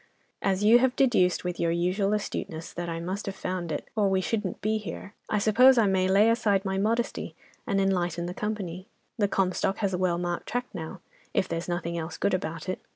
"As you have deduced, with your usual astuteness, that I must have found it, or we shouldn't be here, I suppose, I may lay aside my modesty, and enlighten the company. The 'Comstock' has a well marked track now, if there's nothing else good about it.